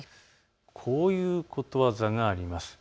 こういうことわざがあります。